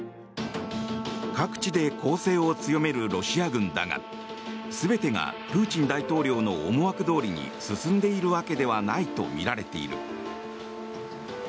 各地で攻勢を強めるロシア軍だが全てがプーチン大統領の思惑どおりに進んでいるわけではないとみられている。